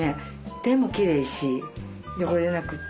手もきれいし汚れなくて。